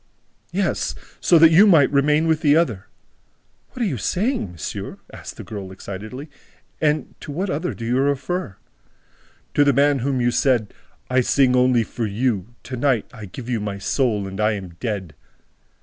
"Yes, so that you might remain with the other!" "What are you saying, monsieur?" asked the girl excitedly. "And to what other do you refer?" "To the man to whom you said, 'I sing only for you! ... to night I gave you my soul and I am dead!'"